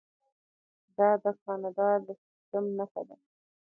دا د کاناډا د سیستم نښه ده.